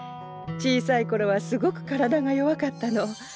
小さい頃はすごく体が弱かったの。